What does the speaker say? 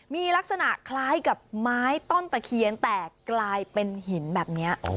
มีลักษณะคล้ายกับไม้ต้นตะเคียนแต่กลายเป็นหินแบบนี้